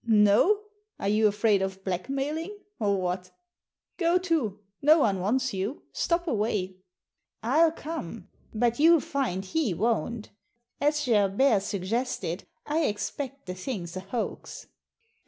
"No? Are you afraid of blackmailing — or what? Go to I No one wants you. Stop away." "I'll come; but you'll find he won't As (Herbert suggested, I expect the thing's a hoax."